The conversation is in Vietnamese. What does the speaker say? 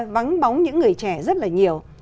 vắng bóng những người trẻ rất là nhiều